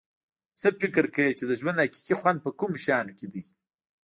څه فکر کوی چې د ژوند حقیقي خوند په کومو شیانو کې ده